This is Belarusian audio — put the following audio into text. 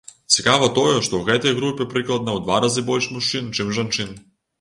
Цікава тое, што ў гэтай групе прыкладна ў два разы больш мужчын, чым жанчын.